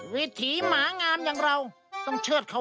มีมีมีน้องเคยดูมีหรือเปล่า